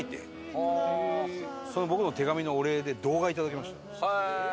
僕の手紙のお礼で動画いただきました。